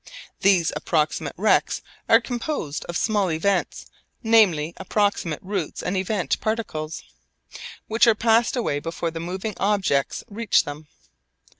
These approximate rects are composed of small events, namely approximate routes and event particles, which are passed away before the moving objects reach them.